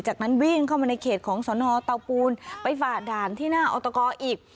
จากนั้นวิ่งเข้ามาในเขตของสนเตาปูนไปฝ่าด่านที่หน้าออตกอีก